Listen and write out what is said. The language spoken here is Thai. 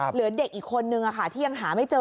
เหลือเด็กอีกคนนึงที่ยังหาไม่เจอ